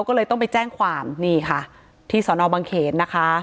ก็เลยต้องไปแจ้งความนี่ค่ะที่สอนอบังเขนนะคะ